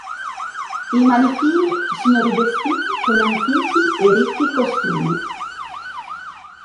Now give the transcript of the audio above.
I “manichini” sono rivestiti con antichi e ricchi costumi.